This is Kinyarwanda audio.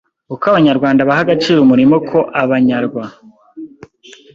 Uko abanyarwanda baha agaciro umurimo ko a b a n yarwa